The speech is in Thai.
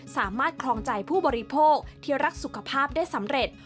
ครองใจผู้บริโภคที่รักสุขภาพได้สำเร็จ